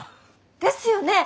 ですよね？